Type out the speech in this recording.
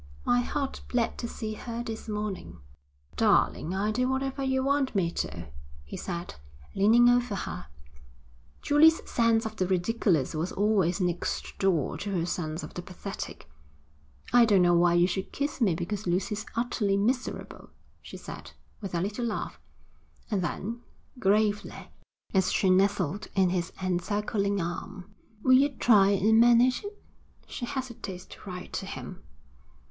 My heart bled to see her this morning.' 'Darling, I'll do whatever you want me to,' he said, leaning over her. Julia's sense of the ridiculous was always next door to her sense of the pathetic. 'I don't know why you should kiss me because Lucy's utterly miserable,' she said, with a little laugh. And then, gravely, as she nestled in his encircling arm: 'Will you try and manage it? She hesitates to write to him.'